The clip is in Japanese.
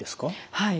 はい。